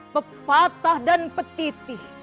pepatah dan petitih